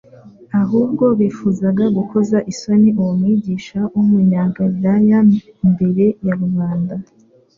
Ahubwo bifuzaga gukoza isoni uwo Mwigisha w'umunyagalilaya imbere ya rubanda.